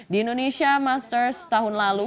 di indonesia masters tahun lalu